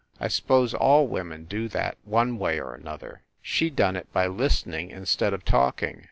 I s pose all women do that, one way or another ; she done it by listening instead of talking.